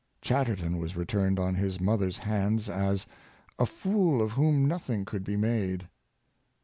Chatterton was returned on his mother's hands as " a fool, of whom nothing could be made."